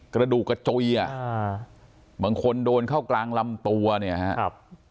กระจุกระจุยอะบางคนโดนเข้ากลางลำตัวเนี่ยฮะ